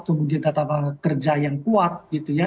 kemudian data tenaga kerja yang kuat gitu ya